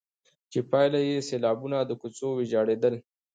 چي پايله يې سيلابونه، د کوڅو ويجاړېدل،